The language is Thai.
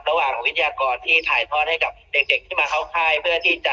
วิทยากรที่ถ่ายทอดให้กับเด็กที่มาเข้าค่ายเพื่อที่จะ